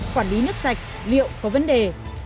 quản lý nước sạch liệu có vấn đề